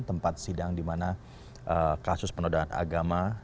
tempat sidang di mana kasus penodaan agama